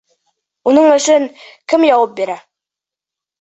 Уның өсөн кем яуап бирә?